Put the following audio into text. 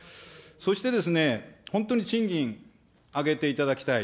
そしてですね、本当に賃金、上げていただきたい。